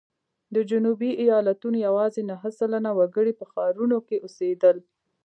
د جنوبي ایالتونو یوازې نهه سلنه وګړي په ښارونو کې اوسېدل.